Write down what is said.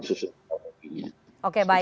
susun oke baik nanti kita akan mencoba